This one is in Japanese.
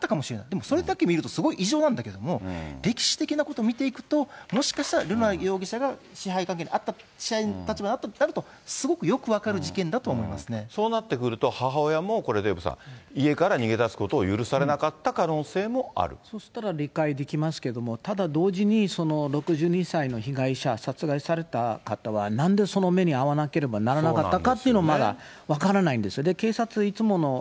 でもそれだけ見ると、非常に異常なんかでも歴史的なことを見ていくと、もしかしたら瑠奈容疑者が支配関係に、支配する立場にあったとすると、すごくよそうなってくると、母親もこれ、デーブさん、家から逃げだすことを許されなかった可能性もあそうしたら、理解できますけれども、同時に、６２歳の被害者、殺害された方は、なんでそんな目に遭わなければならなかったかというのはまだ分からないんです。